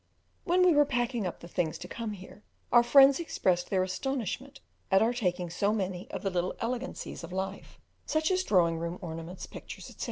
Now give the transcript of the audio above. When we were packing up the things to come here, our friends expressed their astonishment at our taking so many of the little elegancies of life, such as drawing room ornaments, pictures, etc.